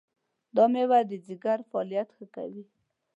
دا مېوه د ځیګر فعالیت ښه کوي.